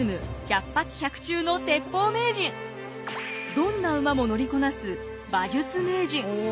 どんな馬も乗りこなす馬術名人。